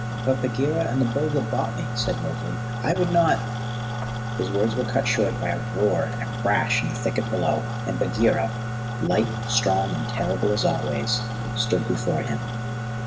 "But Bagheera and the Bull that bought me," said Mowgli. "I would not " His words were cut short by a roar and a crash in the thicket below, and Bagheera, light, strong, and terrible as always, stood before him.